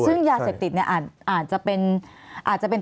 ซึ่งยาเสพติดเนี่ยอาจจะเป็น